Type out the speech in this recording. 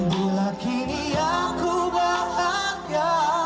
jualan kini aku bahagia